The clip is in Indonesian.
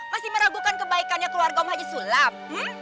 masih meragukan kebaikannya keluarga om haji sulam